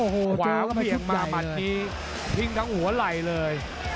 หวาวเอียงมามาตัวนี้ทิ้งทั้งหัวไหลเลย